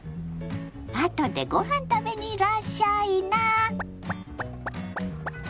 あとでごはん食べにいらっしゃいな。